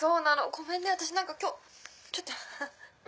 ごめんね私何か今日ちょっとハハ。